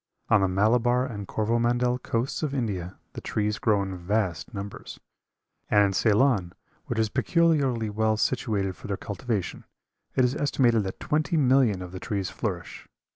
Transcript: On the Malabar and Corvomandel coasts of India the trees grow in vast numbers; and in Ceylon, which is peculiarly well situated for their cultivation, it is estimated that twenty millions of the trees flourish.